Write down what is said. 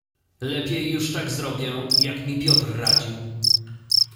"Lepiej już tak zrobię, jak mi Piotr radził."